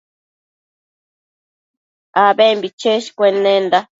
abembi cheshcuennenda